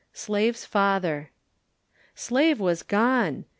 SLAVE'S FATHER.* Slave was gone!